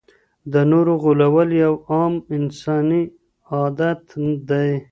د نورو غولول یو عام انساني عادت دی.